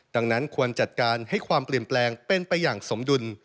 ดังนั้นควรจัดการให้ความเปลี่ยนแปลงเป็นไปอย่างสมดุล